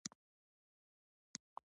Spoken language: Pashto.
سړکونه ټول له رود سره اوږه پر اوږه تللي و.